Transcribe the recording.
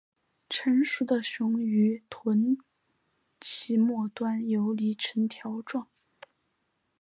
成熟雄鱼的臀鳍末端游离呈条状。